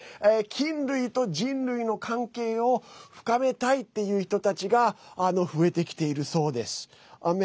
菌類と人類の関係を深めたいっていう人たちが増えてきているそうです。